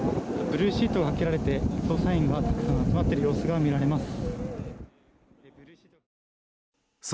ブルーシートがかけられて捜査員が集まっている様子が見られます。